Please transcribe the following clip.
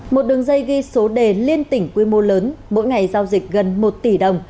một đường dây ghi số đề liên tỉnh quy mô lớn mỗi ngày giao dịch gần một tỷ đồng